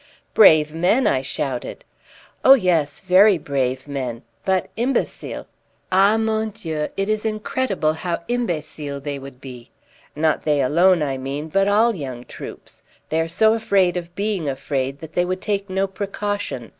"Brave men!" I shouted. "Oh yes, very brave men, but imbecile. Ah, mon Dieu, it is incredible how imbecile they would be! Not they alone, I mean, but all young troops. They are so afraid of being afraid that they would take no precaution.